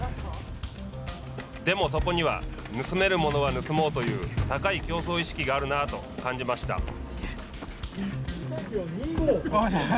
でも、そこには盗めるものは盗もうという高い競争意識があるなと感じました。